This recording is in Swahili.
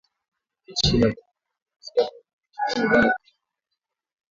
Jeshi la jamhuri ya kidemokrasia ya Kongo linaishutumu Rwanda kwa kuunga mkono